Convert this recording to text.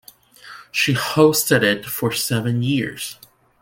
She hosted it for seven years.